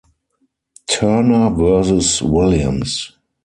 Turner versus Williams.